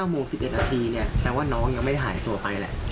โมง๑๑นาทีเนี่ยแปลว่าน้องยังไม่ได้หายตัวไปแหละ